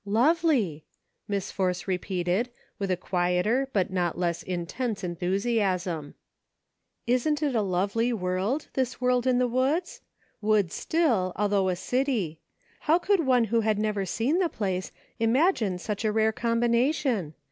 " Lovely !" Miss Force repeated, with a quieter but not less intense enthusiasm. " Isn't it a lovely world, this world in the woods ? Woods still, although a city. How could one who had never seen the place, imagine such a rare com bination